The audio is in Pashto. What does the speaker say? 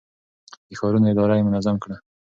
د ښارونو اداره يې منظم کړه.